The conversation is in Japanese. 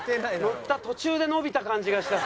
途中で伸びた感じがした。